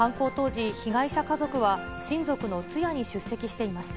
犯行当時、被害者家族は親族の通夜に出席していました。